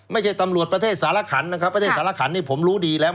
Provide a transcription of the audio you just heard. ไม่ใช่ตำรวจประเทศสารขันนะครับประเทศสารขันนี่ผมรู้ดีแล้ว